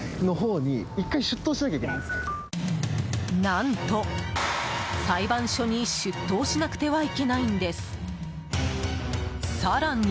何と、裁判所に出頭しなくてはいけないんです！更に。